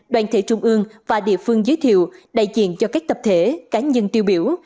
đoàn thể trung ương và địa phương giới thiệu đại diện cho các tập thể cá nhân tiêu biểu